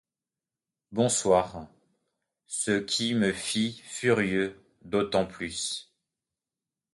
Bonsoir. » -Ce qui me fit furieux. D'autant plus